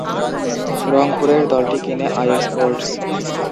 রংপুরের দলটি কিনে আই স্পোর্টস।